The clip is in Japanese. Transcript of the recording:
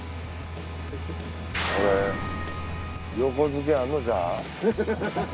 これ横付けあんのちゃう？